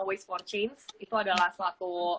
waste empat chains itu adalah suatu